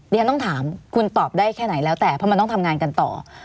เรียนต้องถามคุณตอบได้แค่ไหนแล้วแต่เพราะมันต้องทำงานกันต่อ